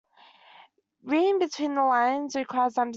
Reading between the lines requires understanding.